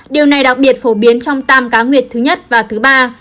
điều này đặc biệt phổ biến trong tam cá nguyệt thứ nhất và thứ ba